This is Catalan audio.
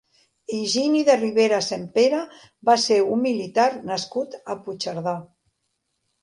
Higini de Rivera Sempere va ser un militar nascut a Puigcerdà.